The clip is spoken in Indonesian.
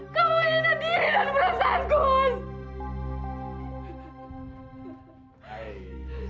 kamu ini diri dan perasaanku mas